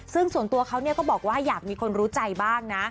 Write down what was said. ซึ่งส่วนตัวเขาก็บอกว่าอยากมีคนรู้ใจบ้างนะ